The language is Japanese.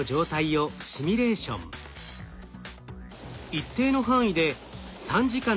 一定の範囲で３時間の積算